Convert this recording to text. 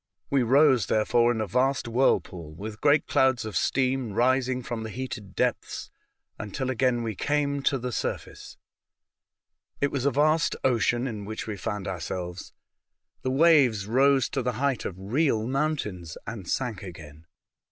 We rose, therefore, in a vast whirlpool, with great clouds of steam rising from the heated depths, until again we came to the surface. It was a vast ocean in which we found our selves. The waves rose to the height of real mountains, and sank again.